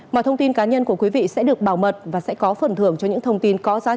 mọi thông tin cá nhân của quý vị sẽ được bảo mật và sẽ có phần thưởng cho những thông tin có giá trị